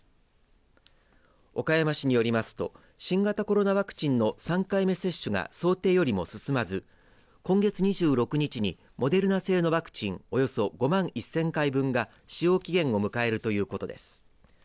岡山市によりますと新型コロナワクチンの３回目接種が想定よりも進まず今月２６日にモデルナ製のワクチンおよそ５万１０００回分が使用期限を迎えるということです。